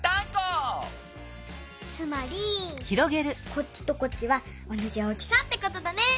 つまりこっちとこっちはおなじ大きさってことだね！